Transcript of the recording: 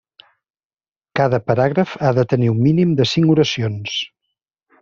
Cada paràgraf ha de tenir un mínim de cinc oracions.